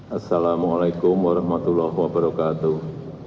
assalamu'alaikum warahmatullahi wabarakatuh